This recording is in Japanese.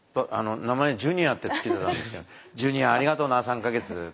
名前ジュニアって付けてたんですけど「ジュニアありがとうな３か月。